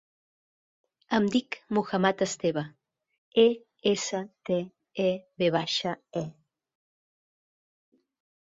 Em dic Muhammad Esteve: e, essa, te, e, ve baixa, e.